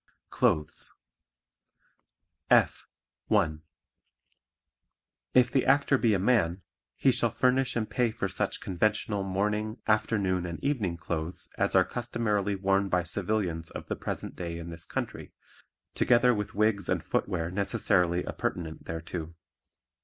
Clothes F. (1) If the Actor be a man, he shall furnish and pay for such conventional morning, afternoon and evening clothes as are customarily worn by civilians of the present day in this country, together with wigs and footwear necessarily appurtenant thereto.